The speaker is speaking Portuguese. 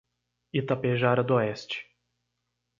Itapejara d'Oeste